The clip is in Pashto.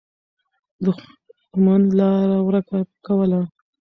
دښمن لاره ورکه کوله.